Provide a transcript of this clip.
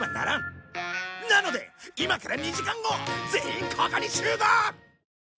なので今から２時間後全員ここに集合！